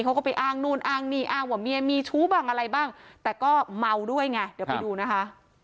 เขาก็ไปอ้างนู่นอ้างนี่อ้างว่าเมียมีชู้บ้างอะไรบ้างแต่ก็เมาด้วยไงเดี๋ยวไปดูนะคะ